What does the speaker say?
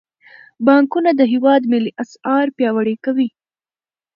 بانکونه د هیواد ملي اسعار پیاوړي کوي.